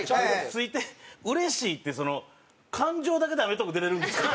「ついてうれしい」ってその感情だけで『アメトーーク』出れるんですか？